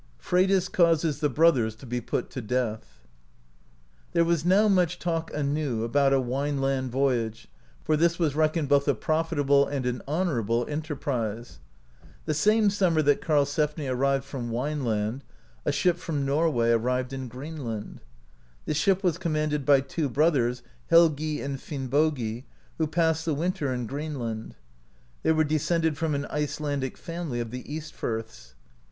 ]?RBYDIS CAUSES THE BROTHERS TO BE PUT TO DEATH. There was now much talk anew, about a Wineland voyage, for this was reckoned both a profitable and an honourable enterprise. The same summer that Karl sefni arrived from Wineland, a ship from Norway arrived in Greenland. This ship was commanded by two broth ers, Helgi and Finnbogi, who passed the winter in Greenland. They were descended from an Icelandic family of the East firths.